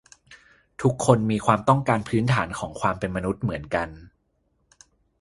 ทุกคนมีความต้องการพื้นฐานของความเป็นมนุษย์เหมือนกัน